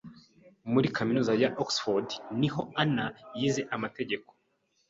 Muri kaminuza ya Oxford niho Anna yize amateka.